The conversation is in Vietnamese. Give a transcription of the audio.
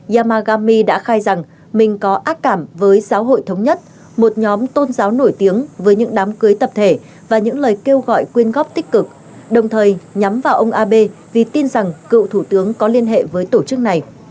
yamagami đã khai rằng mình có ác cảm với giáo hội thống nhất một nhóm tôn giáo nổi tiếng với những đám cưới tập thể và những lời kêu gọi quyên góp tích cực đồng thời nhắm vào ông abe vì tin rằng cựu thủ tướng có liên hệ với tổ chức này